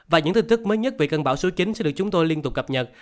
và những tin tức mới nhất về cơn bão số chín sẽ được chúng tôi liên tục cập nhật